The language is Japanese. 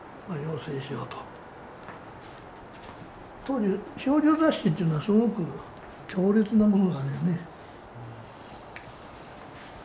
当時少女雑誌っていうのはすごく強烈なものがあるよね。